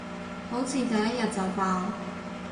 好似第一日就爆